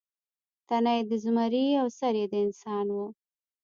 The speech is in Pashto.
تنه یې د زمري او سر یې د انسان و.